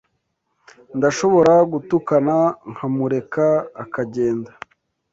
Ndashobora gutukana nkamureka akagenda